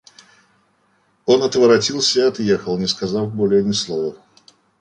Он отворотился и отъехал, не сказав более ни слова.